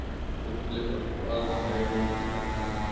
مختلف الفاظ میں ملتی ہے